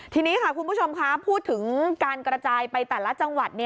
ทีนี้ค่ะคุณผู้ชมค่ะพูดถึงการกระจายไปแต่ละจังหวัด